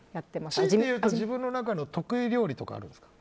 しいて言うと自分の中の得意料理とかあるんですか？